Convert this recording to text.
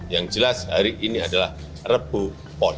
yang jelas hari ini adalah rebu pon